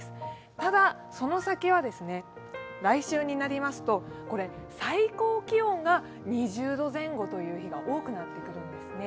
ただ、その先は来週になりますと、最高気温が２０度前後という日が多くなってくるんですね。